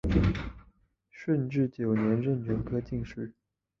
顺治九年壬辰科进士。